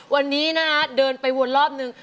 วันนี้นะฮะเดินไปวนรอบนึง